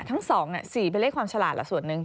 ทั้ง๒๔เป็นเลขความฉลาดละส่วนหนึ่ง